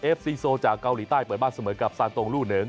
ซีโซจากเกาหลีใต้เปิดบ้านเสมอกับซานตรงลู่หนึ่ง